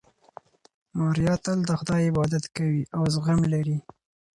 ماریا تل د خدای عبادت کوي او زغم لري.